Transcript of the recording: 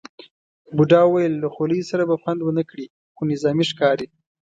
بوډا وویل له خولۍ سره به خوند ونه کړي، خو نظامي ښکاري.